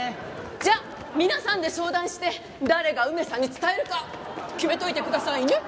じゃあ皆さんで相談して誰が梅さんに伝えるか決めておいてくださいね！